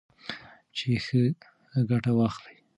چې ښه ګټه واخلئ.